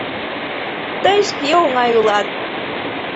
— Тый шке оҥай улат!